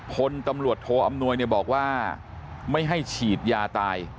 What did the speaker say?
พลตำรวจโทอำนวยบอกว่าไม่ให้ฉีดยาตาย